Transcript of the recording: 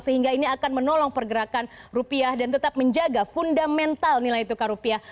sehingga ini akan menolong pergerakan rupiah dan tetap menjaga fundamental nilai tukar rupiah